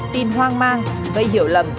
tin hoang mang vây hiểu lầm